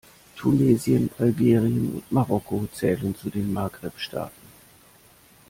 Tunesien, Algerien und Marokko zählen zu den Maghreb-Staaten.